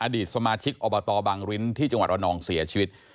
อดีตสมาชิกอบตบังริ้นที่จังหวัดระนองเสียชีวิต